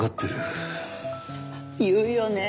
言うよね。